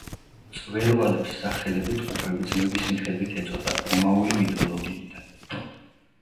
მწვერვალებს სახელები ტყუპი ძმების მიხედვით ეწოდა, რომაული მითოლოგიიდან.